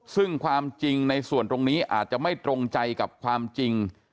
ซึ่งความจริงในส่วนตรงนี้อาจจะไม่ตรงใจกับความจริง